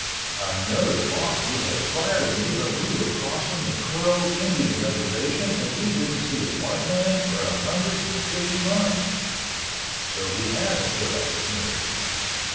I know the boss would have fired me but we were crossing the Crow Indian Reservation and we didn't see a white man for a hundred and fifty miles, so he had to put up with me.